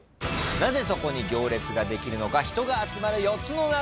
なぜそこに行列ができるのか人が集まる４つの謎！